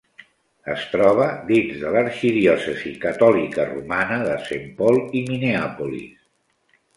Es troba dins de l'arxidiòcesi catòlica romana de Saint Paul i Minneapolis.